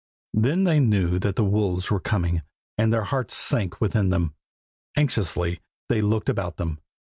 Then they knew that the wolves were coming, and their hearts sank within them. Anxiously they looked about them.